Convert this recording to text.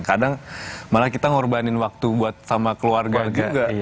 kadang malah kita ngorbanin waktu buat sama keluarga juga